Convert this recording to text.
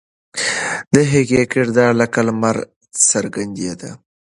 د هغې کردار لکه لمر څرګندېده.